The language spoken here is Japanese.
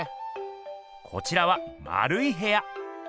こちらはまるいへや。